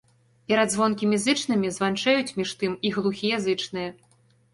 Перад звонкімі зычнымі званчэюць, між тым, і глухія зычныя.